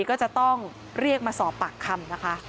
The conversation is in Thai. ก็จะต้องเรียกมาสอบปากคำนะคะ